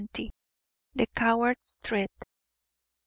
THE COWARD'S THREAT.